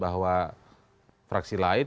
bahwa fraksi lain